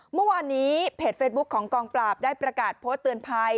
เมื่อวานนี้เพจเฟซบุ๊คของกองปราบได้ประกาศโพสต์เตือนภัย